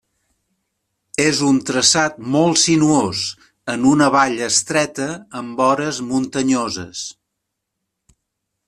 És un traçat molt sinuós, en una vall estreta amb vores muntanyoses.